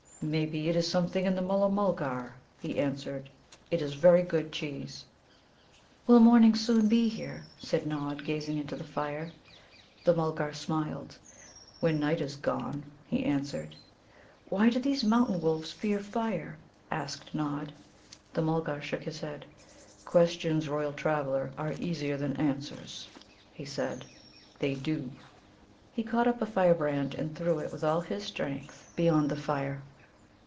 "Maybe it is something in the Mulla mulgar," he answered. "It is very good cheese." "Will morning soon be here?" said Nod, gazing into the fire. The Mulgar smiled. "When night is gone," he answered. "Why do these mountain wolves fear fire?" asked Nod. The Mulgar shook his head. "Questions, royal traveller, are easier than answers," he said. "They do." He caught up a firebrand, and threw it with all his strength beyond the fire.